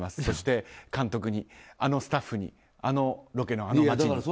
そして監督にあのスタッフにあのロケのあの街に。